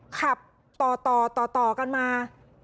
ขับต่อกันมา